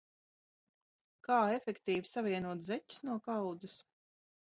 Kā efektīvi savienot zeķes no kaudzes?